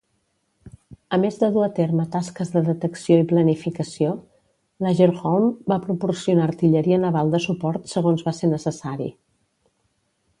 A més de dur a terme tasques de detecció i planificació, l'"Agerholm" va proporcionar artilleria naval de suport segons va ser necessari.